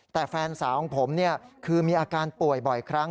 แต่แฟนสาวของผมคือมีอาการป่วยบ่อยครั้ง